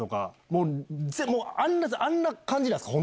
もうあんな感じなんすか？